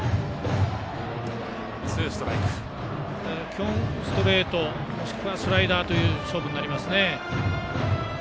基本ストレートもしくはスライダーという勝負になりますね。